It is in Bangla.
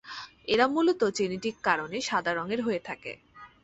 এরা মূলত জেনেটিক কারণে সাদা রঙের হয়ে থাকে।